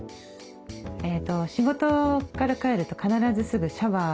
仕事から帰ると必ずすぐシャワー。